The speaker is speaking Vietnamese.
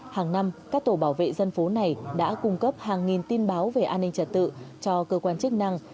hàng năm các tổ bảo vệ dân phố này đã cung cấp hàng nghìn tin báo về an ninh trật tự cho cơ quan chức năng